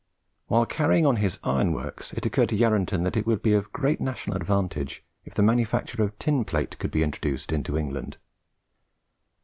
While carrying on his iron works, it occurred to Yarranton that it would be of great national advantage if the manufacture of tin plate could be introduced into England.